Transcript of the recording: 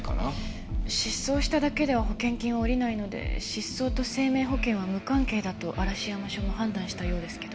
失踪しただけでは保険金は下りないので失踪と生命保険は無関係だと嵐山署も判断したようですけど。